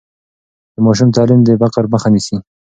د ماشوم تعلیم د فقر مخه نیسي.